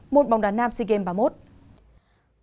một bóng đá nam sea games ba mươi một